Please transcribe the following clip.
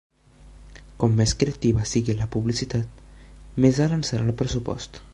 Com més creativa sigui la publicitat, més alt en serà el pressupost.